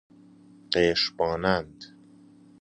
قشر مانند